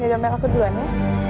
ya udah saya masuk duluan ya